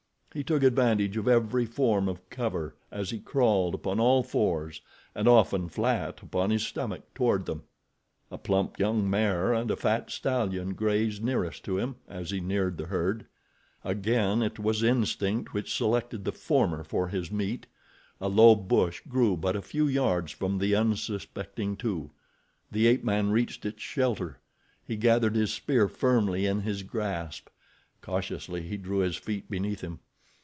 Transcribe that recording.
He took advantage of every form of cover as he crawled upon all fours and often flat upon his stomach toward them. A plump young mare and a fat stallion grazed nearest to him as he neared the herd. Again it was instinct which selected the former for his meat. A low bush grew but a few yards from the unsuspecting two. The ape man reached its shelter. He gathered his spear firmly in his grasp. Cautiously he drew his feet beneath him.